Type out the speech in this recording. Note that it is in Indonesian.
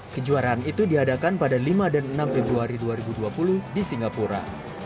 kejuaraan itu diadakan pada lima dan enam februari dua ribu dua puluh di singapura